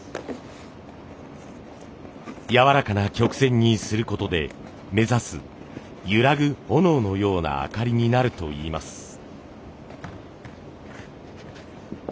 やわらかな曲線にすることで目指すゆらぐ炎のような灯りになるといいます。